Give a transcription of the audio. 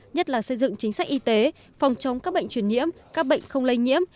nhất là xây dựng chính sách y tế phòng chống các bệnh truyền nhiễm các bệnh không lây nhiễm